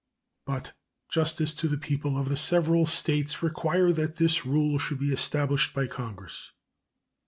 But justice to the people of the several States requires that this rule should be established by Congress.